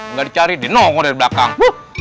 nggak dicari dinongol dari belakang